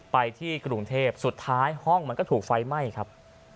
ไปที่กรุงเทพสุดท้ายห้องมันก็ถูกไฟไหม้ครับ